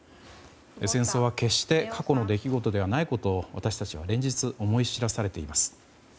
戦争は決して過去の出来事ではないことを私たちは連日思い知らされています。